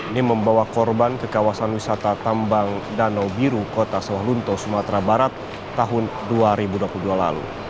ini membawa korban ke kawasan wisata tambang danau biru kota sewalunto sumatera barat tahun dua ribu dua puluh dua lalu